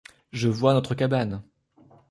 Je vois notre cabane.